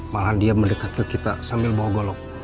malahan dia mendekat ke kita sambil bawa golok